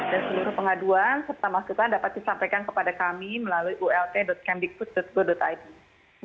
dan seluruh pengaduan serta maksudan dapat disampaikan kepada kami melalui ult campbigfoods go id